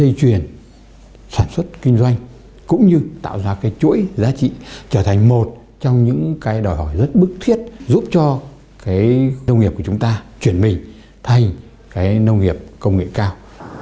dây chuyển sản xuất kinh doanh cũng như tạo ra cái chuỗi giá trị trở thành một trong những cái đòi hỏi rất bức thiết giúp cho cái nông nghiệp của chúng ta chuyển mình thành cái nông nghiệp công nghệ cao